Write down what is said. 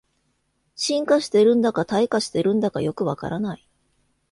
進化してるんだか退化してるんだかよくわからない